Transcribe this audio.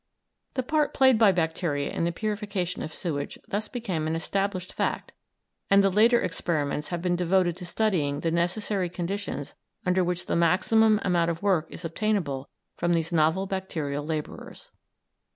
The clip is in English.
The part played by bacteria in the purification of sewage thus became an established fact, and the later experiments have been devoted to studying the necessary conditions under which the maximum amount of work is obtainable from these novel bacterial labourers.